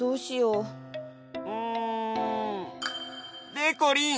でこりん！